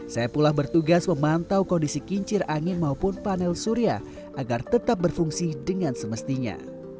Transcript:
saya pula bertugas memantau kondisi kincir angin maupun panel surya agar tetap berfungsi dengan semestinya